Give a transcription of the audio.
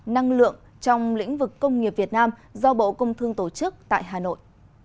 năng lượng trong lĩnh vực công nghiệp việt nam do bộ công thương tổ chức tại hà nội